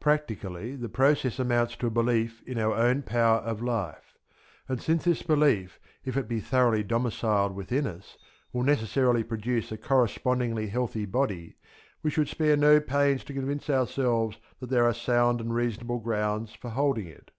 Practically the process amounts to a belief in our own power of life; and since this belief, if it be thoroughly domiciled within us, will necessarily produce a correspondingly healthy body, we should spare no pains to convince ourselves that there are sound and reasonable grounds for holding it.